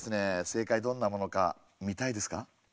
正解どんなものか見たいですか？